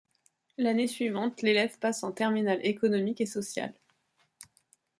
L’année suivante l’élève passe en terminale économique et sociale.